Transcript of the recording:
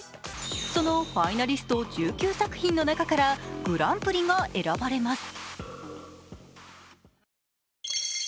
そのファイなりスト１９作品の中からグランプリが選ばれます。